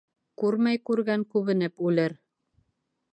Күрмәй күргән күбенеп үлер.